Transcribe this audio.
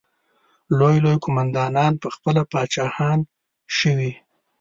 لوی لوی قوماندانان پخپله پاچاهان شوي.